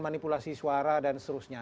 manipulasi suara dan seterusnya